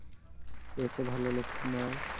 এ তো ভালো লক্ষণ নয়।